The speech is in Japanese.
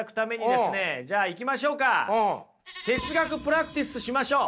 哲学プラクティスしましょう。